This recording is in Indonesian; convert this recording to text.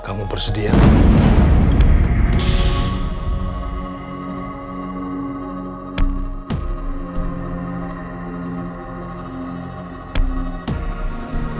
kamu bersedia pak